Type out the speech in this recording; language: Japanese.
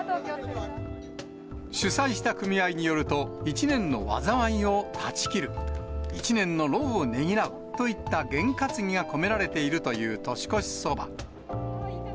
主催した組合によると、一年の災いを断ち切る、一年の労をねぎらうといった験担ぎが込められているという年越しそば。